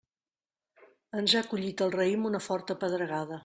Ens ha collit el raïm una forta pedregada.